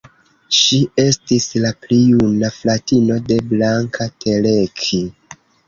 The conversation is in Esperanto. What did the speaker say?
Ŝi estis la pli juna fratino de Blanka Teleki.